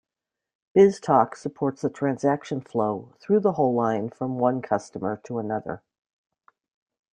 BizTalk supports the transaction flow through the whole line from one customer to another.